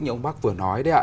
như ông bắc vừa nói đấy ạ